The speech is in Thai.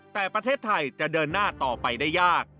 แต่ประเทศไทยจะเดินหน้าต่อไปได้ยาก